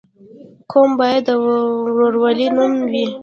قوم باید د ورورولۍ نوم وي.